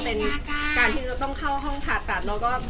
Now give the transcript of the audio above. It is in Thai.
เพราะที่ต้องเข้าห้องภาษ์ตีปรัส